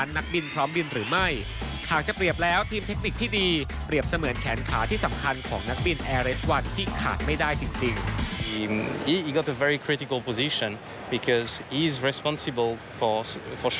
นักบินจะเชื่อฟังคำแนะนำของทีมเทคนิค